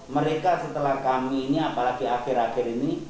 mereka setelah kami ini apalagi akhir akhir ini